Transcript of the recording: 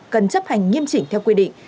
cần chấp hành nghiêm chỉnh theo quy định